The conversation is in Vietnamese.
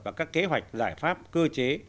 và các kế hoạch giải pháp cơ chế